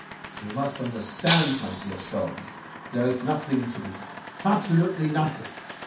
"You must understand, my dear Sholmes, there is nothing to be done, absolutely nothing.